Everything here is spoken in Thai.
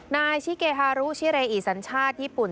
นายชิเกฮารุชิเรอิสัญชาติญี่ปุ่น